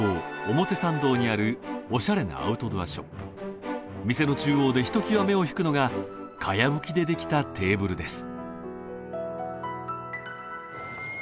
表参道にあるおしゃれなアウトドアショップ店の中央でひときわ目を引くのがかやぶきで出来たテーブルです